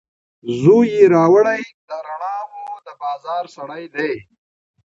زوی یې راوړي، د رڼاوو دبازار سړی دی